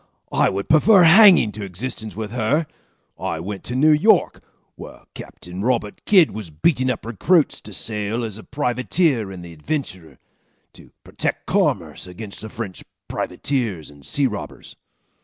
I would prefer hanging to existence with her. I went to New York, where Captain Robert Kidd was beating up recruits to sail as a privateer in the Adventurer to protect commerce against the French privateers and sea robbers.